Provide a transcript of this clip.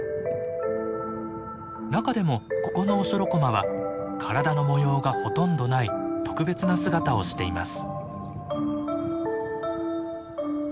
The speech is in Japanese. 中でもここのオショロコマは体の模様がほとんどない特別な姿をしています。